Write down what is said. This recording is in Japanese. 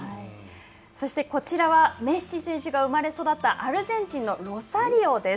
そして、こちらはメッシ選手が生まれ育ったアルゼンチンのロサリオです。